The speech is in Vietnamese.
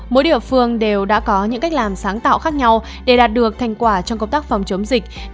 mỗi địa phương đều đã có những cách làm sáng tạo khác nhau để đạt được thành quả trong công tác phòng chống dịch